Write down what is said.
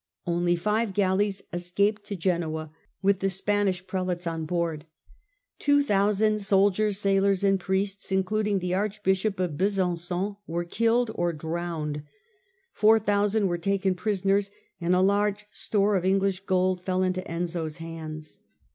Only five galleys escaped to Genoa, with the Spanish Prelates on board. Two thousand soldiers, sailors and priests, including the Archbishop of Besanon, were killed or drowned ; four thousand were taken prisoners, and a large store of English gold fell into Enzio's hands.